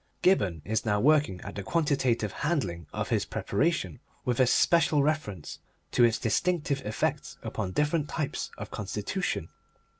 Gibberne is now working at the quantitative handling of his preparation, with especial reference to its distinctive effects upon different types of constitution.